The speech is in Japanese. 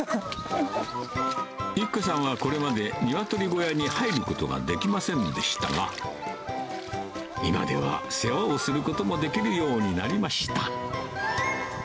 由希子さんはこれまでニワトリ小屋に入ることができませんでしたが、今では世話をすることもできるようになりました。